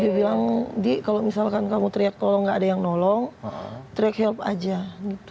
dia bilang di kalau misalkan kamu teriak kalau nggak ada yang nolong teriak help aja gitu